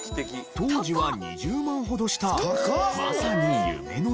当時は２０万ほどしたまさに夢の機械でしたが。